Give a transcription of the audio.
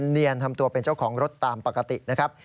เนียนทำตัวเป็นเจ้าของรถตามปกตินะครับ